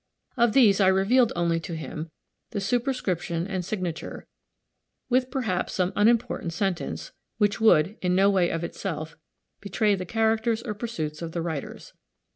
Of these, I revealed only to him the superscription and signature, with, perhaps, some unimportant sentence, which would, in no way, of itself, betray the characters or pursuits of the writers.